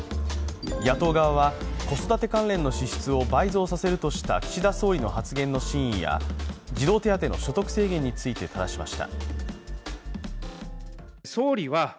野党側は子育て関連の支出を倍増させるとした岸田総理の発言の真意や児童手当の所得制限についてただしました。